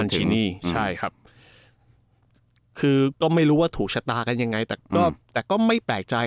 ที่นี่ใช่ครับคือก็ไม่รู้ว่าถูกชะตากันยังไงแต่ก็แต่ก็ไม่แปลกใจ